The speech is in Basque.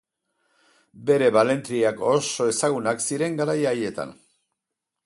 Bere balentriak oso ezagunak ziren garai haietan.